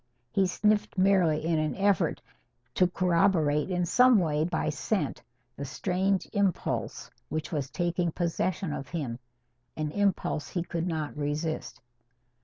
He sniffed merely in an effort to corroborate in some way by scent the strange impulse which was taking possession of him an impulse he could not resist.